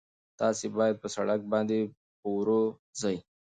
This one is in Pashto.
تاسي باید په سړک باندې په ورو ځئ.